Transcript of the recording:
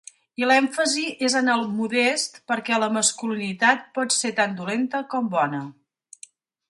I l'èmfasi és en el "modest", perquè la masculinitat pot ser tant dolenta com bona.